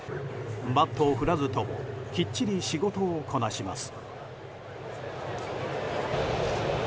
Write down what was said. バットを振らずともきっちり仕事をこなします。